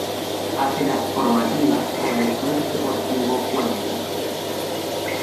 Hace las formativas con el Club Deportivo Cuenca.